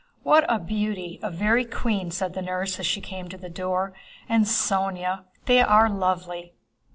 "What a beauty—a very queen!" said the nurse as she came to the door. "And Sónya! They are lovely!"